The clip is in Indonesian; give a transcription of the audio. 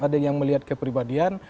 ada yang melihat kepribadian